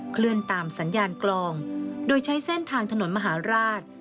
เคลื่อนตามสัญญาณกลองโดยใช้เส้นทางถนนมหาราช